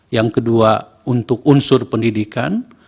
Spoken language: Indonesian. yang kedua untuk unsur pendidikan